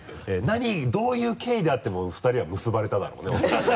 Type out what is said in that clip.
どういう経緯であっても２人は結ばれただろうね恐らくね。